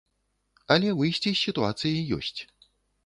Але выйсце з сітуацыі ёсць.